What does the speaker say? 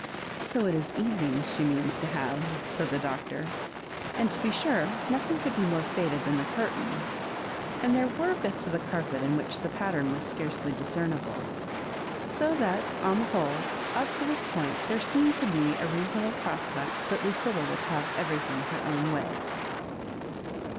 " So it is Kyenings she means to have I" said the Doctor ; an(Ji to be sure, nothing could be more faded than the.curtains, and there were bits of the carpet in which the pattern was scarcely discernible. So |hat, on the whole, up to this point there seem]s4 to be a reasonable prospect that Lucilla would have everything ber own way.